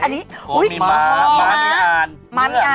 อันนี้โอ๊ยม้ามีม้ามีม้ามีม้ามีอาน